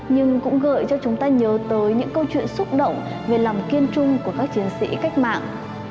nhưng cũng gợi cho chúng ta nhớ tới những câu chuyện xúc động về lòng kiên trung của các chiến sĩ cách mạng